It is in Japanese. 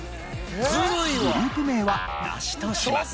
グループ名はなしとします。